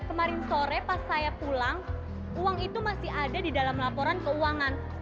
kemarin sore pas saya pulang uang itu masih ada di dalam laporan keuangan